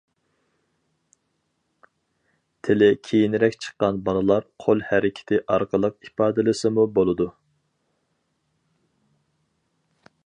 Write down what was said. تىلى كېيىنرەك چىققان بالىلار قول ھەرىكىتى ئارقىلىق ئىپادىلىسىمۇ بولىدۇ.